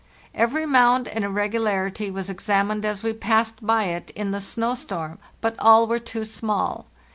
Every mound and irregularity was examined as we passed by it in the snow storm, but all were too small.